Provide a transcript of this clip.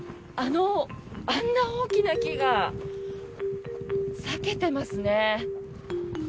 あんな大きな木が裂けてますね。